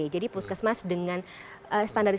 jadi puskesmas dengan